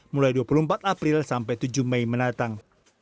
mulai dua puluh empat april sampai tujuh mei mendatang